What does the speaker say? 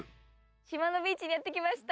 島のビーチにやって来ました。